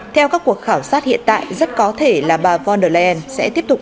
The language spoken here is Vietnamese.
theo các cuộc khảo sát hiện tại rất có thể là bà von der leyen sẽ tiếp tục